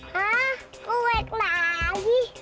hah kuek lagi